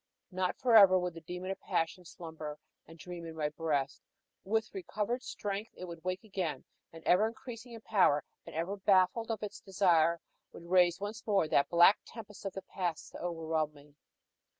Not forever would the demon of passion slumber and dream in my breast; with recovered strength it would wake again, and, ever increasing in power and ever baffled of its desire, would raise once more that black tempest of that past to overwhelm me.